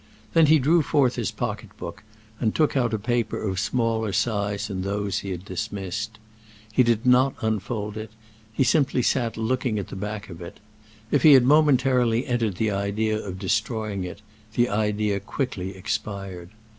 Then he drew forth his pocket book and took out a paper of smaller size than those he had dismissed. He did not unfold it; he simply sat looking at the back of it. If he had momentarily entertained the idea of destroying it, the idea quickly expired.